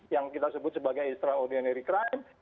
yang kita sebut sebagai extraordinary crime